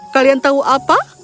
kalian tahu apa